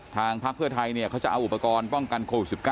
ทางภาพเพื่อไทยเนี่ยเขาจะเอาอุปกรณ์กรโควิด๑๙